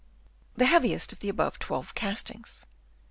The heaviest of the above twelve castings (7.)